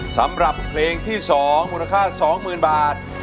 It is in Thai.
สำหรับเพลงที่๒มูลค่า๒๐๐๐บาท